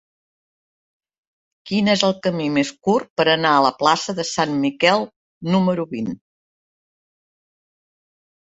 Quin és el camí més curt per anar a la plaça de Sant Miquel número vint?